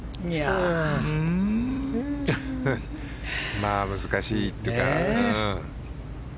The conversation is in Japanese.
まあ難しいというか。